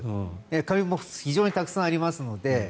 カビも非常にたくさんありますので。